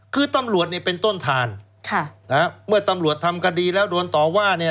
คือตำรวจเนี่ยเป็นต้นทานค่ะนะฮะเมื่อตำรวจทำคดีแล้วโดนต่อว่าเนี่ย